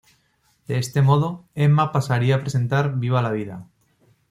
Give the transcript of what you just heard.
De este modo, Emma pasaría a presentar "Viva la vida".